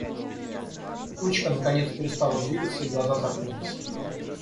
Ручка наконец перестала двигаться, и глаза закрылись.